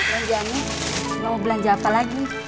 dan jany lo mau belanja apa lagi